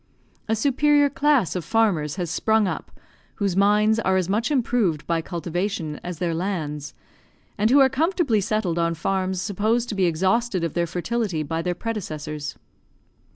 A superior class of farmers has sprung up, whose minds are as much improved by cultivation as their lands, and who are comfortably settled on farms supposed to be exhausted of their fertility by their predecessors.